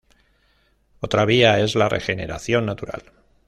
Otra vía es la regeneración natural.